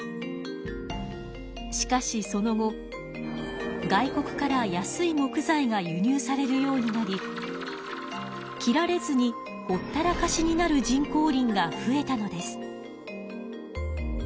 しかしその後外国から安い木材が輸入されるようになり切られずにほったらかしになる人工林が増えたのです。